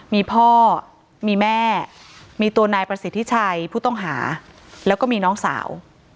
มีพ่อมีแม่มีตัวนายประสิทธิชัยผู้ต้องหาแล้วก็มีน้องสาว